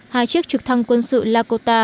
hai chiếc trực thăng quân sự lakota